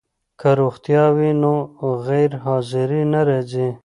که روغتیا وي نو غیرحاضري نه راځي.